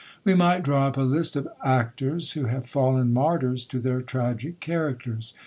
We might draw up a list of ACTORS, who have fallen martyrs to their tragic characters.